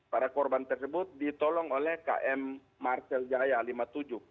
para korban tersebut ditolong oleh km marcel jaya lima puluh tujuh